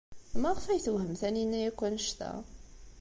Maɣef ay tewhem Taninna akk anect-a?